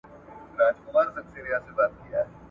نو دا شعرونه یې د چا لپاره لیکلي دي؟ !.